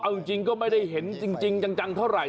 เอาจริงก็ไม่ได้เห็นจริงจังเท่าไหร่